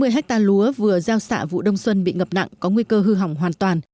một trăm bốn mươi ha lúa vừa gieo xạ vụ đông xuân bị ngập nặng có nguy cơ hư hỏng hoàn toàn